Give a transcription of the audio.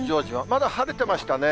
まだ晴れてましたね。